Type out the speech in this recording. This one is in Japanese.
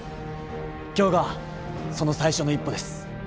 今日がその最初の一歩です。